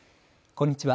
こんにちは。